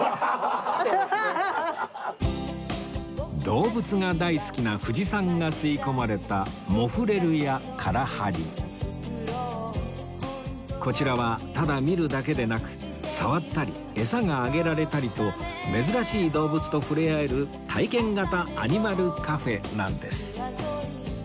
動物が大好きな藤さんが吸い込まれたこちらはただ見るだけでなく触ったりエサがあげられたりと珍しい動物と触れ合える体験型アニマルカフェなんです